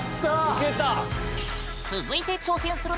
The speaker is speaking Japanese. いけた！